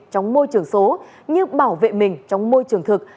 trong môi trường số như bảo vệ mình trong môi trường thực